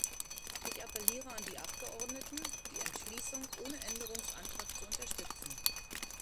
Ich appelliere an die Abgeordneten, die Entschließung ohne Änderungsantrag zu unterstützen.